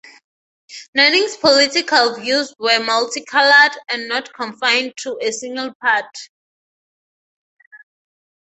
Nenning's political views were "multicolored", and not confined to a single party.